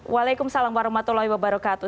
waalaikumsalam warahmatullahi wabarakatuh